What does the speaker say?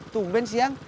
tungguin sih yang